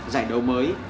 giải đấu mới